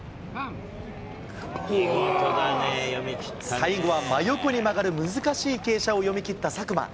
最後は真横に曲がる難しい傾斜を読み切った佐久間。